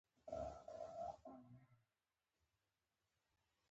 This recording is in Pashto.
پوځي حکومت پرېکړه وکړه چې له متمرکز اقتصاد څخه حرکت وکړي.